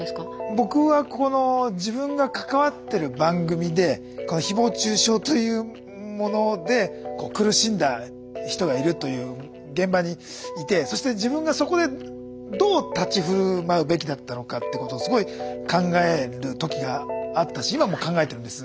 僕はこの自分が関わってる番組でひぼう中傷というもので苦しんだ人がいるという現場にいてそして自分がそこでどう立ち振る舞うべきだったのかってことをすごい考える時があったし今も考えてるんです。